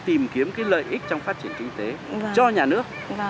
tìm kiếm lợi ích trong phát triển kinh tế cho nhà nước